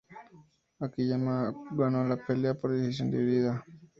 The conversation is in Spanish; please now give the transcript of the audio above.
Akiyama ganó la pelea por decisión dividida.